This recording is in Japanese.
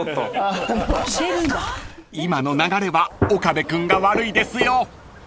［今の流れは岡部君が悪いですよ］